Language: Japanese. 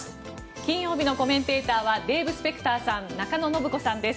金曜日のコメンテーターはデーブ・スペクターさん中野信子さんです。